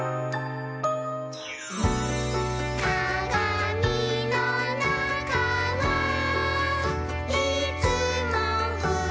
「かがみのなかはいつもふしぎ」